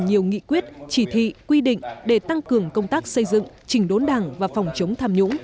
nhiều nghị quyết chỉ thị quy định để tăng cường công tác xây dựng chỉnh đốn đảng và phòng chống tham nhũng